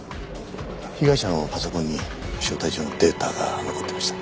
被害者のパソコンに招待状のデータが残っていました。